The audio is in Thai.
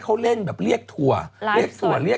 คุณหมอโดนกระช่าคุณหมอโดนกระช่า